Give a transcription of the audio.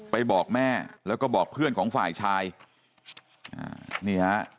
บอกแม่แล้วก็บอกเพื่อนของฝ่ายชายอ่านี่ฮะ